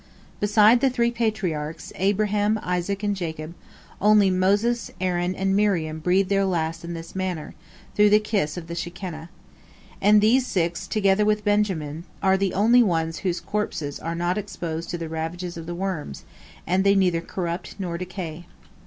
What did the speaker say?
Beside the three Patriarchs, Abraham, Isaac, and Jacob, only Moses, Aaron, and Miriam breathed their last in this manner, through the kiss of the Shekinah. And these six, together with Benjamin, are the only ones whose corpses are not exposed to the ravages of the worms, and they neither corrupt nor decay.